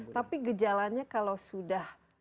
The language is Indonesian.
tapi gejalanya kalau sudah